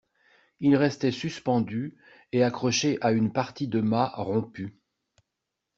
Il restait suspendu et accroché à une partie de mât rompue.